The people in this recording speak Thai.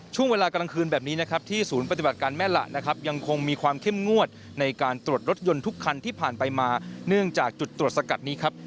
ช่วงเวลากลางคืนแบบนี้นะครับที่ศูนย์ปฏิบัติการแม่หละนะครับยังคงมีความเข้มงวดในการตรวจรถยนต์ทุกคันที่ผ่านไปมาเนื่องจากจุดตรวจสกัดนี้ครับ